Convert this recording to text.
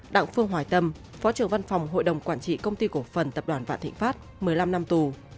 đặng phương hoài tâm phó trưởng văn phòng hội đồng quản trị công ty cổ phần tập đoàn vạn thịnh pháp một mươi năm năm tù